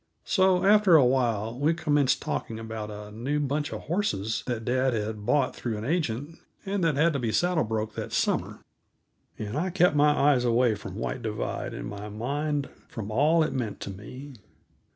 So after awhile we commenced talking about a new bunch of horses that dad had bought through an agent, and that had to be saddle broke that summer, and I kept my eyes away from White Divide and my mind from all it meant to me.